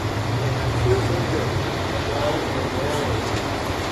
They had two children, John and Mary.